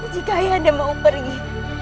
jika ayah anda mau pergi